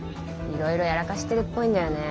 いろいろやらかしてるっぽいんだよね。